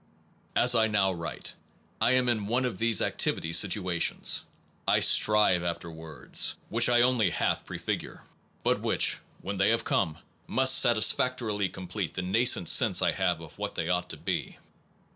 As I now write, I am in one of these activity situations. I strive after words, which I only half prefigure, but which, when they shall have 210 NOVELTY AND CAUSATION come, must satisfactorily complete the nascent sense I have of what they ought to be.